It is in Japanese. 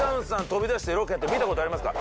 飛び出してロケやってるの見たことありますか？